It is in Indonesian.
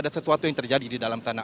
ada sesuatu yang terjadi di dalam sana